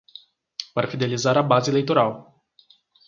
Para fidelizar a base eleitoral